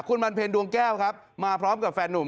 คุณบรรเพ็ญดวงแก้วครับมาพร้อมกับแฟนนุ่ม